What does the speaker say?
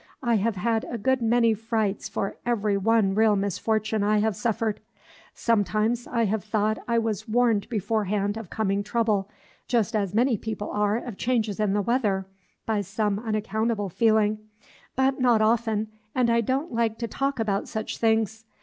"I have had a good many frights for every one real misfortune I have suffered. Sometimes I have thought I was warned beforehand of coming trouble, just as many people are of changes in the weather, by some unaccountable feeling, but not often, and I don't like to talk about such things.